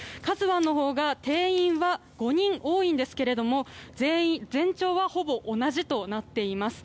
「ＫＡＺＵ１」のほうは定員は５人多いんですが全長はほぼ同じとなっています。